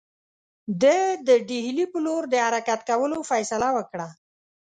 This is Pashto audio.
ده د ډهلي پر لور د حرکت کولو فیصله وکړه.